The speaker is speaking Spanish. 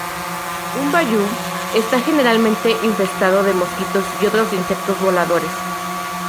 Un "bayou" está generalmente infestado de mosquitos y otros insectos voladores.